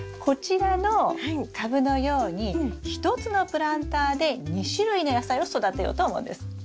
こちらのカブのように１つのプランターで２種類の野菜を育てようと思うんです。